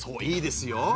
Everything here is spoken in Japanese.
いいですよ。